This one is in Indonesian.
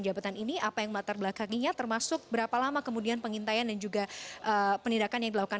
jabatan ini apa yang matar belakanginya termasuk berapa lama kemudian pengintaian dan juga penindakan